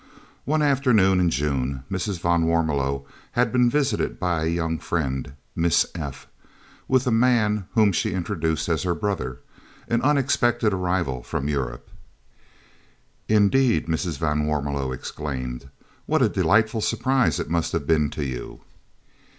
One afternoon in June Mrs. van Warmelo had been visited by a young friend, Miss F., with a man whom she introduced as her brother, an unexpected arrival from Europe. "Indeed!" Mrs. van Warmelo exclaimed. "What a delightful surprise it must have been to you!"